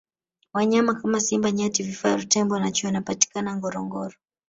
wanyama kama simba nyati vifaru tembo na chui wanapatikana ngorongoro